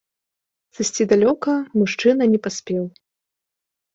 Сысці далёка мужчына не паспеў.